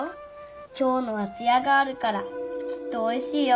きょうのはつやがあるからきっとおいしいよ。